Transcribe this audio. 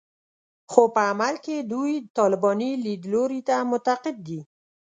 خو په عمل کې دوی طالباني لیدلوري ته معتقد دي